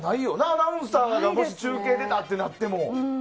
アナウンサーが中継出たってなっても。